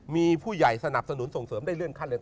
มีผู้ใหญ่สนับสนุนส่งเสริมได้เลื่อนขั้นเร็